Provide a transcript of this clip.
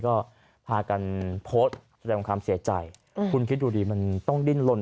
ก็พากันโพสต์แสดงความเสียใจคุณคิดดูดีมันต้องดิ้นลน